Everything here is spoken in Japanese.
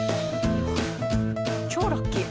超ラッキー！